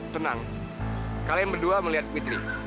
tenang kalian berdua melihat putri